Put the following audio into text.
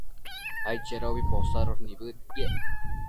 aidchedobi posadosh nibëdquiec